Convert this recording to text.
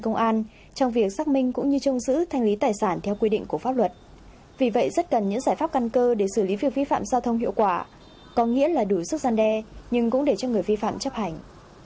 công an trong việc xác minh cũng như trông giữ thanh lý tài sản theo quy định của pháp luật vì vậy rất cần những giải pháp căn cơ để xử lý việc vi phạm giao thông hiệu quả có nghĩa là đủ sức gian đe nhưng cũng để cho người vi phạm chấp hành